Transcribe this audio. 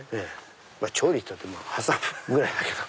調理ったって挟むぐらいだけど。